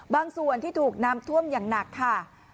บางส่วนที่ถูกน้ำท่วมอย่างหนักค่ะ